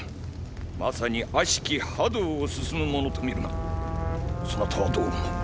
まさに悪しき覇道を進む者と見るがそなたはどう思う？